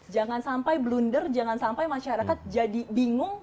jangan sampai blunder jangan sampai masyarakat jadi bingung